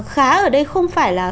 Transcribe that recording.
khá ở đây không phải là